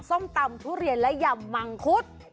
ส้มตำทุเรียนและยำมังคุด